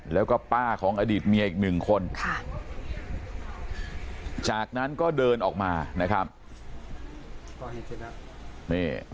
แล้วก็ป้าของอดีตเมียอีกหนึ่งคนจากนั้นก็เดินออกมานะครับ